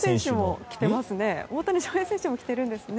大谷翔平選手も着ているんですね。